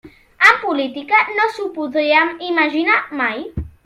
En política, no s'ho podria imaginar mai.